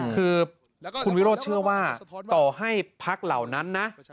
คือคุณวิโรธเชื่อว่าต่อให้พักเหล่านั้นนะ